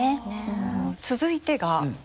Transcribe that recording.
続いてが。